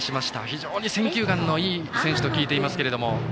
非常に選球眼のいい選手と聞いていますけども。